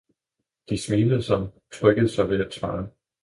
De smilede og trykkede sig ved at svare.